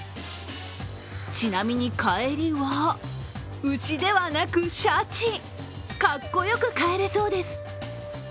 ちなみに帰りは、牛ではなく、シャチかっこよく帰れそうです。